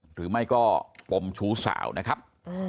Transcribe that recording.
หรือไม่ก็ปมชู้สาวนะครับ